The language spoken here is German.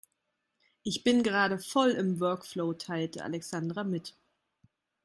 "Ich bin gerade voll im Workflow", teilte Alexandra mit.